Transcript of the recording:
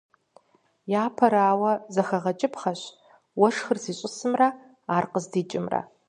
Япэрауэ, зэхэгъэкӀыпхъэщ уэшхыр зищӀысымрэ ар къыздикӀымрэ.